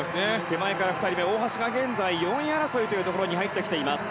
手前から２人目、大橋が現在４位争いというところに入ってきます。